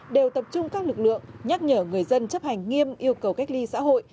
đều tập trung các lực lượng nhắc nhở người dân chấp hành nghiêm yêu cầu cách ly xã hội